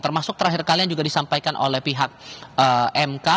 termasuk terakhir kalian juga disampaikan oleh pihak mk